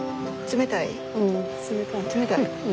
冷たい。